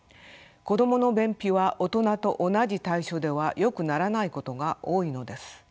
子どもの便秘は大人と同じ対処ではよくならないことが多いのです。